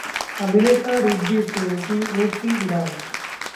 अभिनेता रिद्धि सेन की ऊंची उड़ान